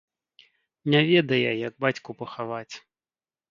Не ведае, як бацьку пахаваць.